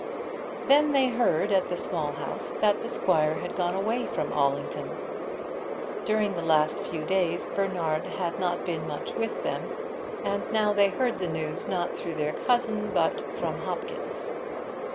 Then they heard at the Small House that the squire had gone away from Allington. During the last few days Bernard had not been much with them, and now they heard the news, not through their cousin, but from Hopkins.